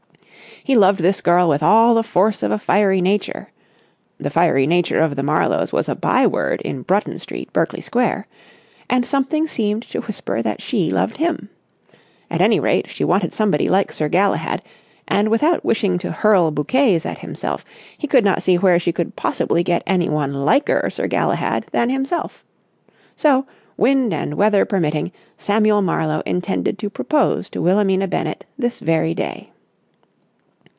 He loved this girl with all the force of a fiery nature—the fiery nature of the Marlowes was a by word in Bruton Street, Berkeley Square—and something seemed to whisper that she loved him. At any rate she wanted somebody like Sir Galahad, and, without wishing to hurl bouquets at himself, he could not see where she could possibly get anyone liker Sir Galahad than himself. So, wind and weather permitting, Samuel Marlowe intended to propose to Wilhelmina Bennett this very day.